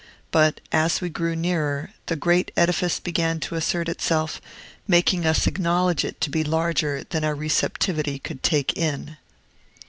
But, as we drew nearer, the great edifice began to assert itself, making us acknowledge it to be larger than our receptivity could take in.